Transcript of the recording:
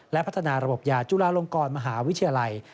และพัฒนาระบบยาจุฬาลงกรมหาวิทยาลัย